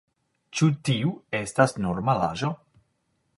Ĉu tiu estas normalaĵo?